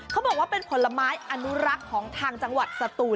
เขาบอกว่าเป็นผลไม้อนุรักษ์ของทางจังหวัดสตูน